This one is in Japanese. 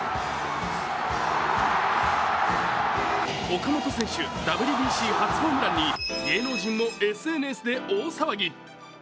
岡本選手、ＷＢＣ初ホームランに芸能人もＳＮＳで大騒ぎ。